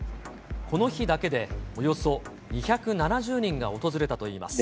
この日だけでおよそ２７０人が訪れたといいます。